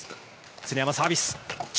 常山、サービス。